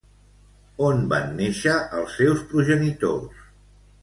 On van néixer els seus progenitors?